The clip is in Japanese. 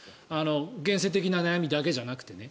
現世的な悩みだけじゃなくて。